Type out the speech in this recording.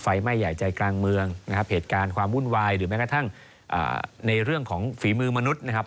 ไฟไหม้ใหญ่ใจกลางเมืองนะครับเหตุการณ์ความวุ่นวายหรือแม้กระทั่งในเรื่องของฝีมือมนุษย์นะครับ